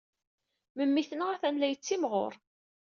Memmi-tneɣ atan la yettimɣur.